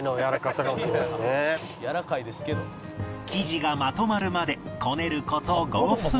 生地がまとまるまでこねる事５分